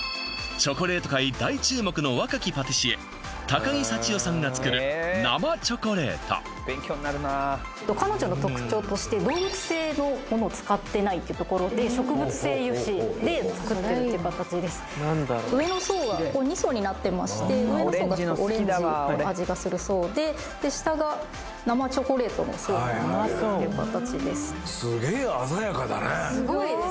チョコレート界大注目の若きパティシエ高木幸世さんが作る生チョコレート彼女の特徴として動物性のものを使ってないっていうところで植物性油脂で作ってるっていう形です上の層は２層になってまして上の層がオレンジの味がする層で下が生チョコレートの層になってるっていう形です